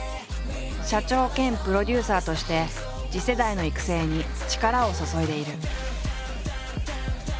社長兼プロデューサーとして次世代の育成に力を注いでいる。